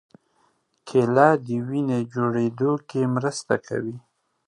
کېله د وینې جوړېدو کې مرسته کوي.